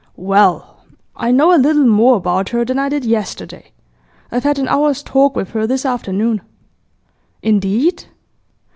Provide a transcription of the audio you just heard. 'Well, I know a little more about her than I did yesterday. I've had an hour's talk with her this afternoon.' 'Indeed?